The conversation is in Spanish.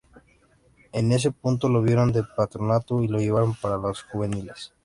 En ese puesto lo vieron de Patronato y lo llevaron para las juveniles.